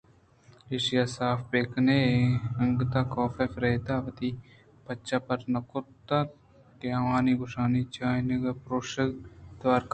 ایشاں صاف بہ کنت انگتءَ کاف ءُ فریدہءَ وتی پچ پر نہ کُتگ اِت اَنت کہ آوانی گوشانی چائینک ءِ پرٛوشگ ءِ توار کپت